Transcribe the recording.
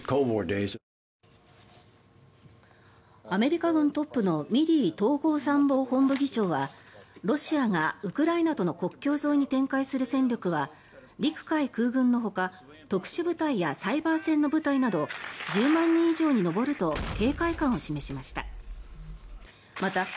アメリカ軍トップのミリー統合参謀本部議長はロシアがウクライナとの国境沿いに展開する戦力は陸海空軍のほか特殊部隊やサイバー戦の部隊など１０万人以上に上ると警戒感を示しました。